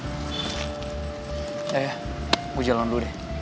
ya ya gue jalan dulu deh